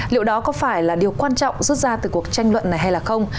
liệu đó có phải là điều quan trọng rút ra từ cuộc tranh luận này hay là không